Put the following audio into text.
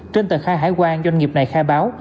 trên tờ khai hải quan doanh nghiệp này khai báo